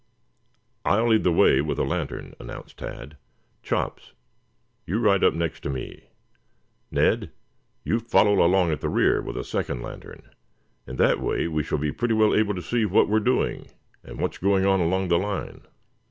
"I'll lead the way with a lantern," announced Tad. "Chops, you ride up next to me. Ned, you follow along at the rear with a second lantern. In that way we shall be pretty well able to see what we are doing and what is going on along the line."